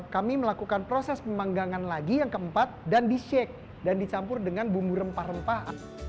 kami melakukan proses pemanggangan lagi yang keempat dan di shake dan dicampur dengan bumbu rempah rempah